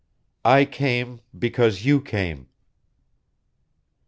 "I came because you came."